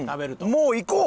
もういこう！